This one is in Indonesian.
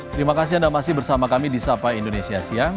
terima kasih anda masih bersama kami di sapa indonesia siang